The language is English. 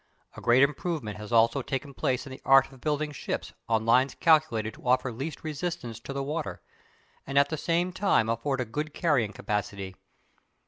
A great improvement has also taken place in the art of building ships on lines calculated to offer least resistance to the water, and at the same time afford a good carrying capacity.